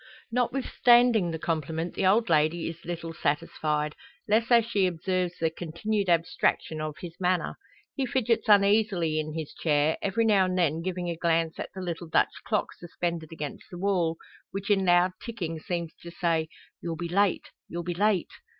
Notwithstanding the compliment, the old lady is little satisfied less as she observes the continued abstraction of his manner. He fidgets uneasily in his chair, every now and then giving a glance at the little Dutch clock suspended against the wall, which in loud ticking seems to say, "You'll be late you'll be late."